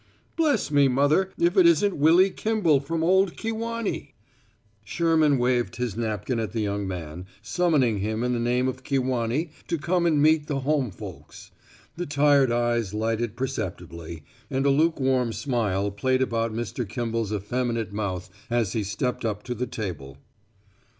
"Bless me, mother, if it isn't Willy Kimball from old Kewanee!" Sherman waved his napkin at the young man, summoning him in the name of Kewanee to come and meet the home folks. The tired eyes lighted perceptibly, and a lukewarm smile played about Mr. Kimball's effeminate mouth as he stepped up to the table.